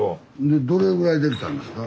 でどれぐらい出来たんですか？